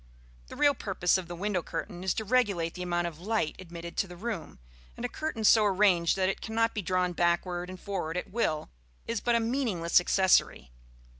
The real purpose of the window curtain is to regulate the amount of light admitted to the room, and a curtain so arranged that it cannot be drawn backward and forward at will is but a meaningless accessory.